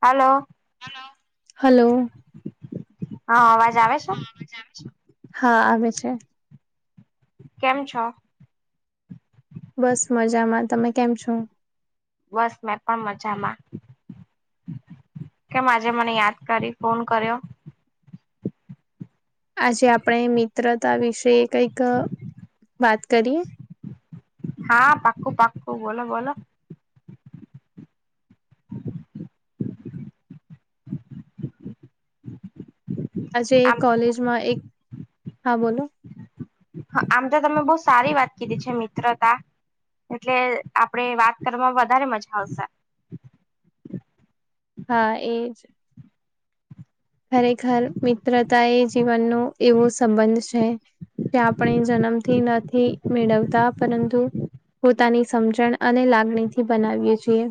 હાલો hello હા અવાજ આવે છે હા આવે છે કેમ છો બસ મજામાં તમે કેમ છો બસ મેં પણ મજામાં કેમ આજે મને યાદ કરી ફોન કર્યો આજે આપડે મિત્રતા વિશે કંઈક વાત કરીએ હા પાકું પાકું બોલો બોલો આજે આમ કોલેજમાં એક હા બોલો હ આમ તો તમે બહુ સારી વાત કીધી છે મિત્રતા એટલે આપડે વાત કરવામાં વધારે મજા આવશે હા એજ ખરેખર મિત્ર તા એ જીવનનો એવો સંબંધ છે તે આપણે જન્મથી નથી મેળવતા પરંતુ પોતાની સમજણ અને લાગણી થી બનાવીએ છીએ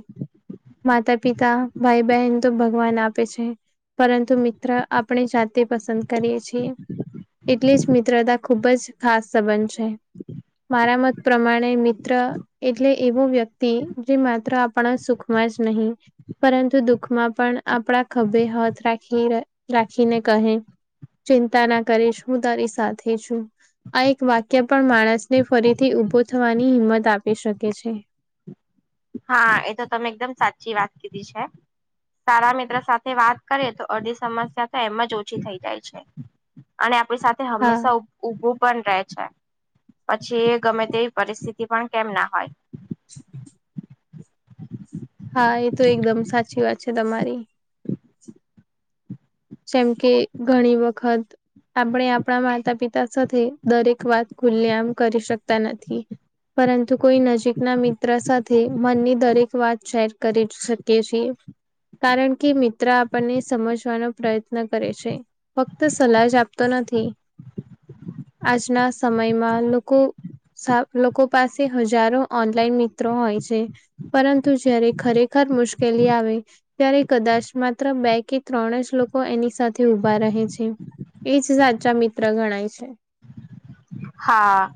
માતા પિતા ભાઈ બહેન તો ભગવાન આપે છે પરં તો મિત્ર આપણે જાતે પસંદ કરીએ છીએ એટલેજ મિત્રતા ખૂબ જ ખાસ સંબંધ છે મારા મત પ્રમાણે મિત્ર એટલે એવો વ્યક્તિ જે માત્ર આપણા સુખમાં જ નહીં પરંતુ દુઃખમાં પણ આપડા ખભે હાથ રાખી રાખીને કહે ચિંતા ના કરીશ હું તારી સાથે છું આ એક વાક્ય પણ માણસને ફરીથી ઊભો થવાની હિંમત આપી શકે છે હા એ તો તમે એકદમ સાચી વાત કીધી છે સારા મિત્ર સાથે વાત કરીએ તો અડધી સમસ્યા તો એમ જ ઓછી થઇ જાય છે અને આપડી સાથે હા હંમેશા ઉ ઉભું પણ રહે છે પછી ગમે તેવી પરિસ્થિતિ પણ કેમ ના હોય હા એ તો એકદમ સાચી વાત છે તમારી જેમ કે ઘણી વખત આપડે આપડા માતા પિતા સાથે દરેક વાત ખુલે આમ કરી શકતા નથી પરંતુ કોઈ નજીકના મિત્ર સાથે મનની દરેક વાત શેર કરી શકીએ છે કારણ કે મિત્ર આપણને સમજવાનો પ્રયત્ન કરે છે ફક્ત સલાહ જ આપતો નથી આજના સમય માં લોકો સાફ લોકો પાસે હજારો ઓનલાઈન મિત્રો હોય છે પરંતુ જયારે ખરેખર મુશ્કેલી આવે ત્યારે કદાચ માત્ર બે કે ત્રણ જ લો કો એની સાથે ઊભા રહે છે એજ સાચા મિત્ર ગણાય છે હા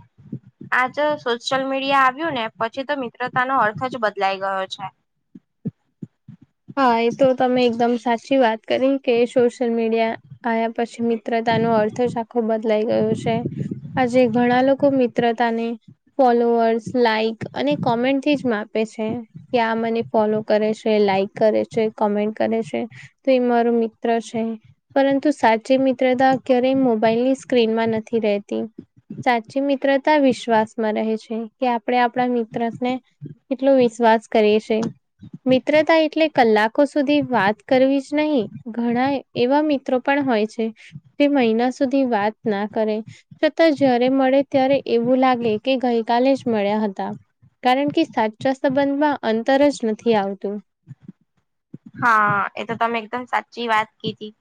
આ જે સોશિયલ મીડિયા આવ્યું ને પછી તો મિત્રતા નો અર્થ જ બદલાઈ ગયો છે હા એ તો તમે એકદમ સાચી વાત કરી કે સોશિયલ મીડિયા આયા પછી મિત્રતાનો અર્થ જ આખો બદલાઈ ગયો છે આજે ઘણા લોકો મિત્રતાને ફોલોઅર્સ લાાઈક અને કોમેન્ટ થીજ માપે છે કે આ મને ફોલો કરે છે લાઈક કરે છે કોમેન્ટ કરે છે તે મારો મિત્ર છે પરંતુ સાચી મિત્રતા ક્યારેય મોબાઈલની સ્ક્રીન માં નથી રહેતી સાચી મિત્રતા વિશ્વાસમાં રહે છે કે આપડે આપડા મિત્ર ને કેટલો વિશ્વાસ કરે છે મિત્રતા એટલે કલાકો સુધી વાત કરવી જ નહી ઘણા એવા મિત્રો પણ હોય છે તે મહિના સુધી વાત ના કરે છતાં જ્યારે મળે ત્યારે એવું લાગે કે ગઈકાલે જ મળ્યા હતા કારણ કે સાચા સંબંધમાં અંતર જ નથી આવતું હા એતો તમે એકદમ સાચી વાત કીધી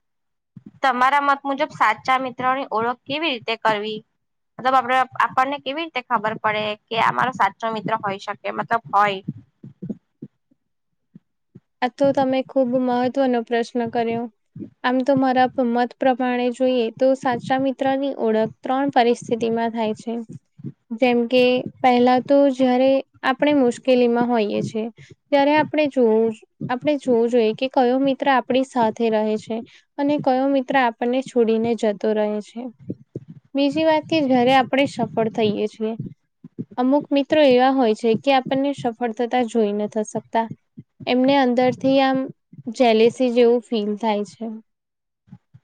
તમારા મત મુજબ સાચા મિત્રોની ઓળખ કેવી રીતે કરવી? મતલબ આપડે આપણને કેવી રીતે ખબર પડે કે આ મારો સાચો મિત્ર હોઈ શકે મતલબ હોય? આ તો તમે ખુબ મહત્વનો પ્રશ્ન કર્યો. આમ તો મારા મ મત પ્રમાણે જોઈએ તો સાચા મિત્ર ની ઓળખ ત્રણ પરિસ્થિતિમાં થાય છે જેમ કે પહેલા તો જયારે આપણે મુશ્કેલીમાં હોઈએ છે જ્યારે આપણે જોવું આપણે જોવું જોઈએ કે કયો મિત્ર આપણી સાથે રહે છે. અને કયો મિત્ર આપણને છોડીને જતો રહે છે. બીજી વાત કે જ્યારે આપણેે સફળ થઈએ છીએ. અમુક મિત્રો એવા હોય છે કે આપણને સફળ થતા જોઈ નથી શકતા. એમને અંદર થી આમ જેલેસી જેવું ફીલ થાય છે.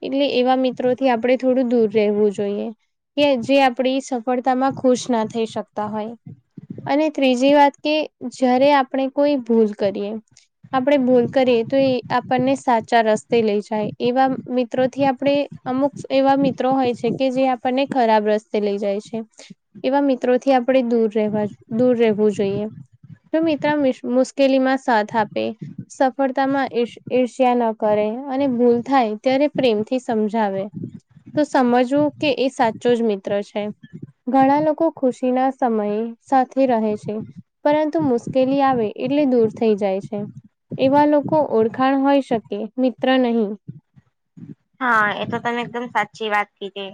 એટલે એવા મિત્રોથી આપડણે થોડું દૂર રહેવું જોઈએ. કે જે આપડી સફળતા માં ખુશ ના થઈ શકતા હોય. અને ત્રીજી વાત કે જ્યારે આપણે કોઈ ભૂલ કરીએ. આપણે ભૂલ કરીએ તો એ આપણને સાચા રસ્તે લઈ જાય એવા મિત્રોથી આપણે. અમુક એવા મિત્રો હોય છે કે જે આપણને ખરાબ રસ્તે લઈ જાય છે. એવા મિત્રોથી આપણે દૂર રહેવા દૂર રહેવું જોઈએ. જો મિત્ર મિસ મુશ્કેલી માં સાથ આપે સફળતા માં ઇર્ષ્ ઈર્ષ્યા ન કરે અને ભૂલ થાય ત્યારે પ્રેમથી સમજાવે. તો સમજવું કે એ સાચો જ મિત્ર છે. ઘણા લોકો ખુશી ના સમય સાથે રહે છે પરંતુ મુશ્કેલી આવે એટલે દૂર થઈ જાય છે. એવા લોકો ઓળખાણ હોય શકે મિત્ર નહીં. હા એ તો તમે એકદમ સાચી વાત કીધી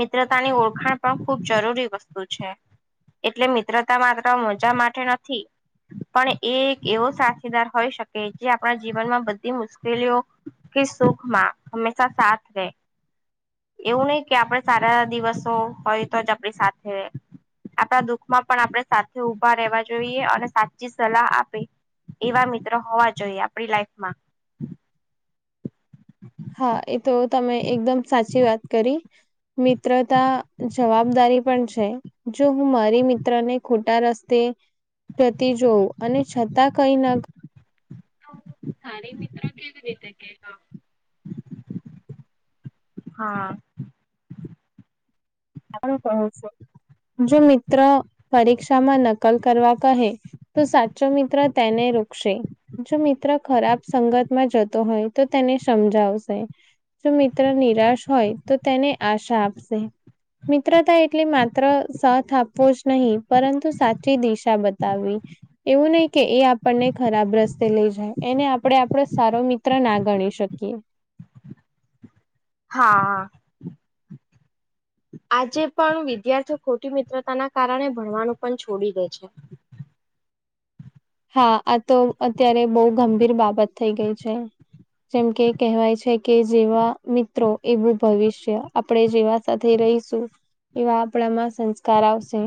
મિત્રતાની ઓળખાણ પણ ખુબ જરૂરી વસ્તુ છે. એટલે મિત્રતા માત્ર મજા માટે નથી. પણ એ એક એવો સાથીદાર હોય શકે જે આપણા જીવનમાં બધી મુશ્કેલીઓ કે સુખ માં હમેશા સાથ રહેે. એવું નહિ કે આપડ સારા દિવસો હોય તો જ આપણી સાથે આપણા દુઃખમાં પણ આપણે સાથે ઉભા રહેવા જોઈએ અને સાચી સલાહ આપે. એવા મિત્રો હોવા જોઈએ આપડી લાઈફમાં. હા એ તો તમે એકદમ સાચી વાત કરી. મિત્રતા જવાબદારી પણ છે. જો હું મારી મિત્ર ને ખોટા રસ્તે જતી જોવું અને છતાં કઈ ના સારી મિત્ર કેવી રીતે કે? હા. જો મિત્ર પરીક્ષામાં નકલ કરવા કહે. તો સાચો મિત્ર તેને રોકશે. જો મિત્ર ખરાબ સંગતમાં જતો હોય તો તેને સમજાવશે. જો મિત્ર નિરાશ હોય તો તેને આશા આપશે. મિત્રતા એટલે માત્ર સાથ આપવો જ નહી પરંતુ સાચી દિશા બતાવવી. એવું નહી કે એ આપણને ખરાબ રસ્તે લઈ જાય, એને આપણે આપણો સારો મિત્ર ના ગણી શકીએ. હા. આજે પણ વિદ્યાર્થીઓ ખોટી મિત્રતાના કારણે ભણવાનું પણ છોડી દે છે. હા આ તો અત્યારે બહુ ગંભીર બાબત થઈ ગઈ છે. જેમ કે કહેવાય છે, કે જેવા મિત્રો એવું ભવિષ્ય આપણે જેવા. સાથે રહીશું એવા આપણામાં સંસ્કાર આવશે.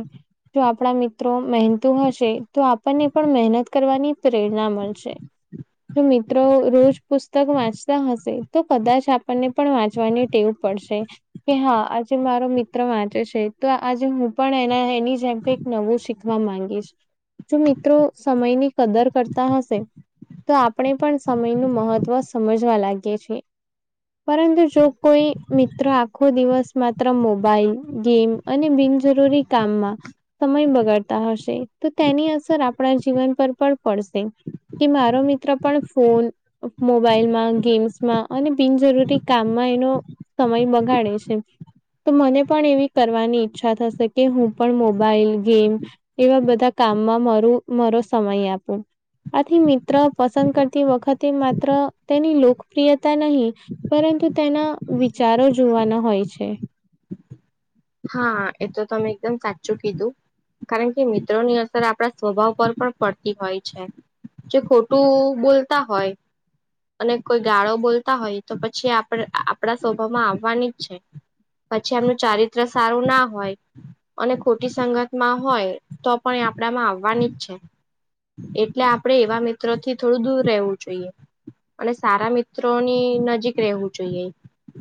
જો આપણા મિત્રો મહેનતું હશે તો આપણને પણ મહેનત કરવાની પ્રેરણા મળશે. જો મિત્રો રોજ પુસ્તક વાંચતા હશે, તો કદાચ આપણને પણ વાંચવાનું ટેવ પડશે. કે હા આજે મારો મિત્ર વાંચે છે, તો આજે હું પણ એ એની જેમે નવું શીખવા માંગીશ જો મિત્રો સમયની કદર કરતા હશે. તો આપણે પણ સમય નું મહત્વ સમજવા લાગીએ છીએ. પરંતુ જો કોઈ મિત્રો આખો દિવસ માત્ર મોબાઈલ, ગેમ, અને બિનજરૂરી કામમાં સમય બગાડતા હશે તો તેની અસર આ આપણા જીવન પર પણ પડશે કે મારો મિત્ર પણ ફોન, મોબાઈલમાં ગેમ્સમાં અને બિનજરૂરી કામમાં એનો સમય બગાડે છે. તો મને પણ એવી કરવાની ઈચ્છા થશે કે હું પણ મોબાઈલ, ગેમ એવા બધા કામમાં મારૂ મારો સમય આપો. આથી મિત્ર પસંદ કરતી વખતે માત્ર તેની લોકપ્રિયતા નહી પરંતુ તેના વિચારો જોવાના હોય છે. હા એ તો તમે એકદમ સાચું કીધું કારણ કે મિત્રોની અસર આપણા સ્વભાવ પર પણ પડતી હોય છે. જે ખોટું બોલતા હોય. અને કોઈ ગાળો બોલતા હોય તો પછી આપણા સ્વભામાં આવવાની જ છે. પછી એમનું ચારિત્ર સારું ના હોય. અને ખોટી સંગત માં હોય તો પણ એ આપડામાં આવવાની જ છે. એટલે આપડે એવા મિત્ર થી થોડું દૂર રહેવું જોઈએ. અને સારા મિત્રોની નજીક રહેવું જોઈએ.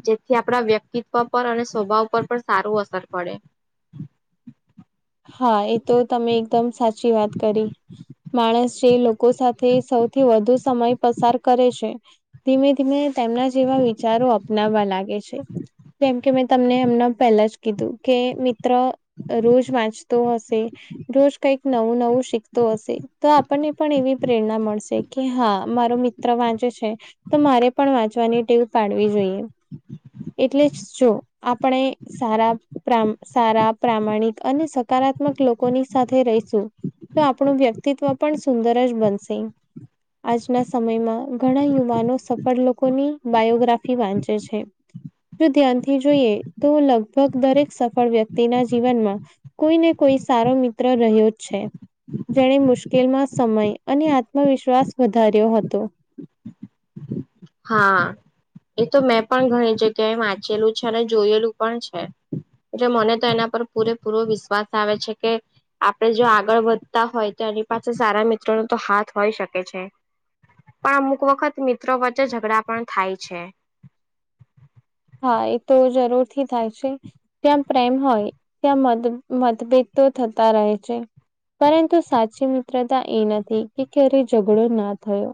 જેથી આપણા વ્યક્તિત્વ પર અને સ્વભાવ પર પણ સારું અસર પડે. હા એ તો તમે એકદમ સાચી વાત કરી. માણસ જે લોકો સાથે સૌથી વધુ સમય પસાર કરે છે. ધીમે ધીમે તેમના જેવા વિચારો અપનાવવા લાગે છે, કેમ કે મે તમને એમના પહેલા જ કીધું કે મિત્ર રોજ વાંચ હશે રોજ કઈક નવું નવું શીખતો હશે તો આપણને પણ એવી, પ્રેરણા મળશે કે હા મારો મિત્ર વાંચે છે. તો મારે પણ વાંચવાની ટેવ પાડવી જોઈએ. એટલે જ જો આપણે સારા પ્રા સારા પ્રામાણિક અને જો હકારાત્મક લોકોની સાથે રહીશું તો આપણું વ્યક્તિત્વ પણ સુંદર જ બનશે. આજના સમયમાં ઘણા યુવાનો સફળ લોકોની બાયોગ્રાફી વાંચે છે. જો ધ્યાનથી જોઈએ તો લગભગ દરેક સફળ વ્યક્તિના જીવનમાં કોઈ ને કોઈ સારો મિત્ર રહ્યો છે જેણે મુશ્કેલમાં સમય અને આત્મવિશ્વાસ વધાર્યો હતો. હા. એ તો મેં પણ ઘણી જગ્યાએ વાંચેલું છે અને જોયેલું પણ છે. એટલે મને તો એના પર પૂરેપૂરો વિશ્વાસ આવે છે કે આપડે જો આગળ વધતા હોય તો એની પાછળ સારા મિત્રો ના તો હાથ હોય શકે છે પણ અમુક વખત મિત્રો વચ્ચે ઝઘડા પણ થાય છે. હા એ તો જરૂર થી થાય છે. ત્યાં પ્રેમ હોય ત્યાં મત મતભેદ તો થતા રહે છે. પરંતુ સાચી મિત્રતા એ નથી કે ક્યારે ઝઘડો ના થયો.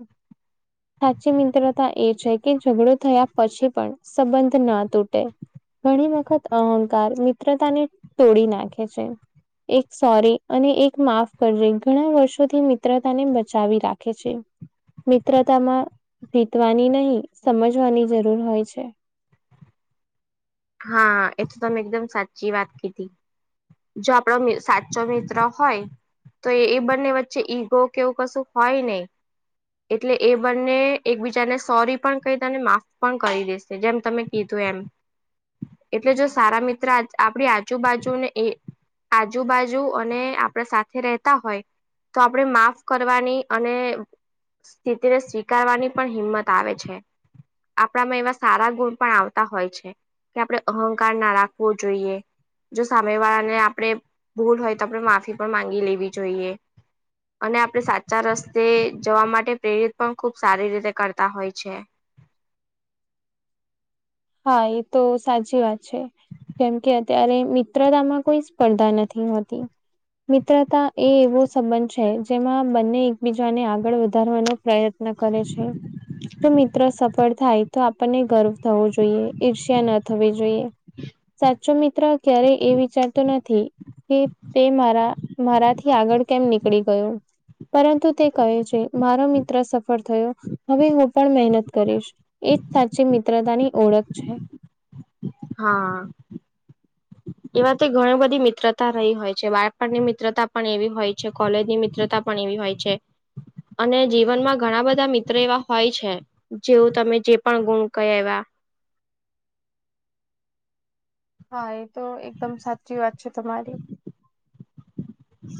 સાચી મિત્રતા એ છે કે ઝઘડો થયા પછી પણ સંબંધ ના તૂટે. ઘણી વખત અહંકાર મિત્રતાને તોડી નાખે છે. એક સોરી અને એક માફ કરજે ઘણા વર્ષોથી મિત્રતાને બચાવી રાખે છે. મિત્રતામાં જીતવાની નહી સમજવાની જરૂર હોય છે. હા એ તો તમે એકદમ સાચી વાત કીધી. જો આપણો સાચો મિત્ર હોય તો એ બંને વચ્ચે ઈગો કેવું કશું હોય નહિ એટલે એ બંને એકબીજાને સોરી પણ કહી દેને માફ પણ કરી દેશે જેમ તમે કીધું એમ એટલે જો સારા મિત્ર આપણી આજુબાજુને એ આજુબાજુ અને આપણા સાથે રહેતા હોય તો આપણે માફ કરવાની અને સ્થિતિને સ્વીકારવાની પણ હિંમત આવે છે. આપણામાં એવા સારા ગુણ પણ આવતા હોય છે. કે આપણે અહંકાર ના રાખવો જોઈએ. જો સામે વાળા ને આપડણે ભૂલ હોય તો આપણે માફી પણ માંગી લેવી જોઈએ. અને આપણે સાચા રસ્તે જવા માટે પ્રેરિત પણ ખુબ સારી રીતે કરતા હોય છે. હા એ તો સાચી વાત છે. કેમ કે અત્યારે મિત્રતામાં કોઈ સ્પર્ધા નથી હોતી. મિત્રતા એ એવો સંબંધ છે જેમાં બંને એકબીજાને આગળ વધારવાનો પ્રયત્ન કરે છે જો મિત્રો સફળ થાય તો આપણને ગર્વ થવો જોઈએ. જોઈએ ઈર્ષ્યા ન થવી જોઈએ સાચો મિત્ર ક્યારેય એ વિચારતો નથી. કે તે મારા મારાથી આગળ કેમ નીકળી ગયો. પરંતુ તે કહે છે મારો મિત્ર સફળ થયો હવે હું પણ મહેનત કરીશ. એજ સાચી મિત્રતાની ઓળખ છે. હા. એવાતે ઘણી બધી મિત્રતા રહી હોય છે બાળપણની મિત્રતા પણ એવી હોય છે કોલેજની મિત્રતા હોય છે અને જીવનમાં ઘણા બધા મિત્ર એવા હોય છે. જેવું તમે જે પણ ગુણ કયા એવા હા એ તો એકદમ સાચી વાત છે તમારી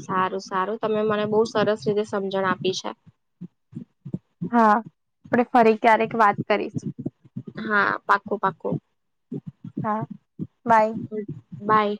સારું સારું તમે મને બહુ સરસ રીતે સમજણ આપી છે. હા આપણે ફરી ક્યારેક વાત કરીશું. હા પાકો પાકો હા બાય બાય